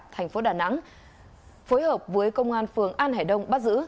thành phố đà nẵng phối hợp với công an phường an hải đông bắt giữ